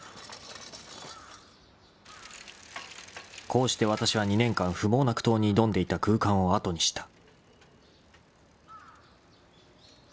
［こうしてわたしは２年間不毛な苦闘に挑んでいた空間を後にした］